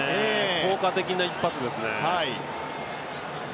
効果的な一発ですね。